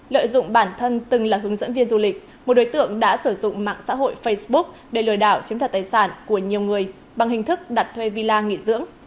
lợi dụng bản thân từng là hướng dẫn viên du lịch một đối tượng đã sử dụng mạng xã hội facebook để lừa đảo chiếm thật tài sản của nhiều người bằng hình thức đặt thuê villa nghỉ dưỡng